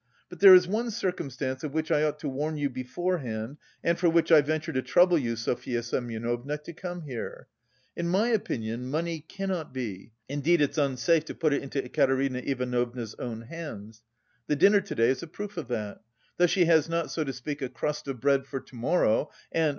But there is one circumstance of which I ought to warn you beforehand and for which I venture to trouble you, Sofya Semyonovna, to come here. In my opinion money cannot be, indeed it's unsafe to put it into Katerina Ivanovna's own hands. The dinner to day is a proof of that. Though she has not, so to speak, a crust of bread for to morrow and...